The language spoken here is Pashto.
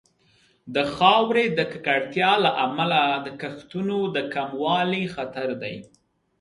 د خاورې د ککړتیا له امله د کښتونو د کموالي خطر دی.